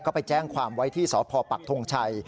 ก็ไปแจ้งความไว้ที่สพปักทงชัย